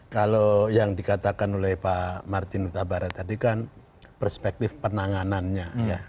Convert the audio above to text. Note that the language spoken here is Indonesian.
kalau yang dikatakan oleh pak martin utabara tadi kan perspektif penanganannya